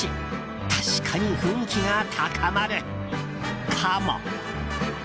確かに雰囲気が高まるかも。